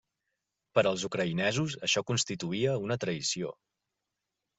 Per als ucraïnesos això constituïa una traïció.